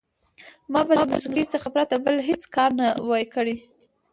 ما به له موسیقۍ څخه پرته بل هېڅ کار نه وای کړی.